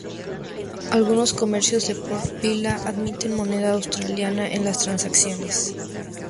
Algunos comercios de Port Vila admiten moneda australiana en las transacciones.